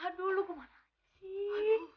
aduh lu kemana